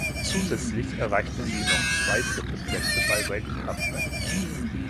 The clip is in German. Zusätzlich erreichte sie noch zwei dritte Plätze bei Weltcuprennen.